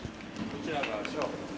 こちらが小です。